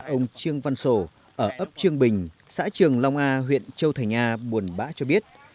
ông trương văn sồ ở ấp trương bình xã trường long a huyện châu thành a buồn bã cho biết